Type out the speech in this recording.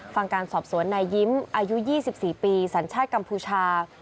ฟังการสอบสวนนายยิ้มอายุ๒๔ปีสัญชาติกัมพูชา